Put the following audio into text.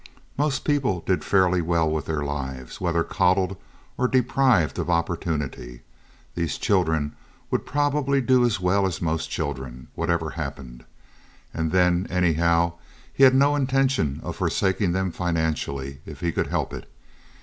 Most people did fairly well with their lives, whether coddled or deprived of opportunity. These children would probably do as well as most children, whatever happened—and then, anyhow, he had no intention of forsaking them financially, if he could help it.